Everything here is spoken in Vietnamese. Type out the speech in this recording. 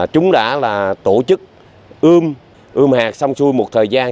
chúng đã là tổ chức ươm ươm hạt xong xui một thời gian